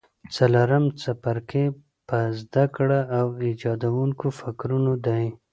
څلورم څپرکی په زده کړه او ایجادوونکو فکرونو دی.